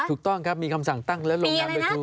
ถูกต้องครับมีคำสั่งตั้งและลงนัดโดยครู